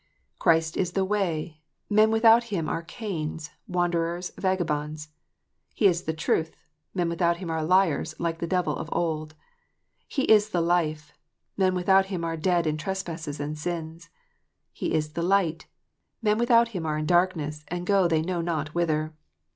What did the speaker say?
" Christ is the ivay : men without Him are Cains, wanderers, vagabonds. He is the truth : men without Him are liars, like the devil of old. He is the life : men without Him are dead in trespasses and sins. He is the lif/ht : men without Him are in darkness, and go they know not whither.